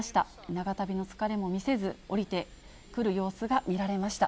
長旅の疲れも見せず、降りてくる様子が見られました。